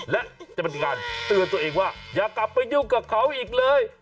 และจะเป็นการเตือนตัวเองว่าอย่ากลับไปยุ่งกับเขาอีกเลย